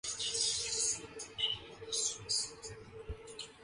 The first is simply to promote peace, European values and its citizens' well-being.